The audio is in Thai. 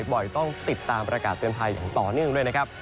บ่อยต้องติดตามประกาศเตือนภัยอย่างต่อเนื่องด้วยนะครับ